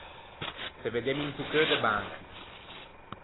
Se veddemmo into cheu de Banchi.